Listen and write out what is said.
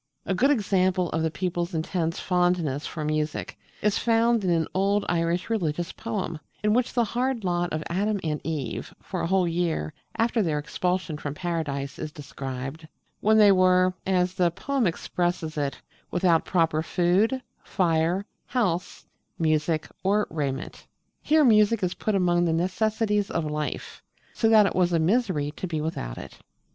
A good example of the people's intense fondness for music is found in an old Irish religious poem, in which the hard lot of Adam and Eve for a whole year after their expulsion from Paradise is described, when they were as the poem expresses it "without proper food, fire, house, music, or raiment." Here music is put among the necessaries of life, so that it was a misery to be without it.